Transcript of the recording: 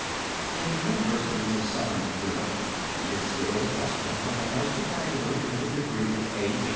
In the universities of Southern Europe it is still the custom for boys to graduate with the degree of A.